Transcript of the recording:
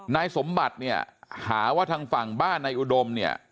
นายสมบัติเนี่ยหาว่าทางฝั่งบ้านนายอุดมเนี่ย